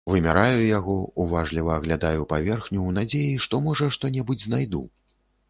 Вымяраю яго, уважліва аглядаю паверхню ў надзеі, што, можа, што-небудзь знайду.